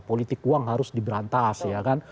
politik uang harus diberantas ya kan